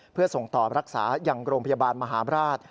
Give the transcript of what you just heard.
เพื่อส่งต่อรักษายังโรงพยาบาลมหาบราช